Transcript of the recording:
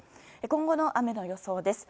今後の雨の予想です。